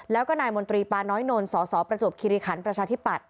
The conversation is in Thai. แล้วก็นายมนตรีปาน้อยนนท์สสประจวบคิริขันประชาธิปัตย